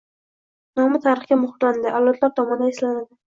nomi tarixga muhrlanadi, avlodlar tomonidan eslanadi.